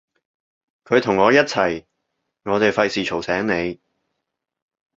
佢同我一齊，我哋費事嘈醒你